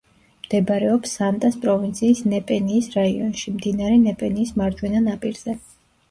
მდებარეობს სანტას პროვინციის ნეპენიის რაიონში, მდინარე ნეპენიის მარჯვენა ნაპირზე.